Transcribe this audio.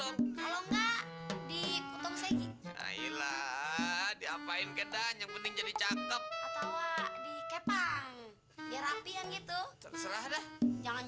ngapain kita yang penting jadi cakep atau dikepang rapi yang itu terserah deh jangan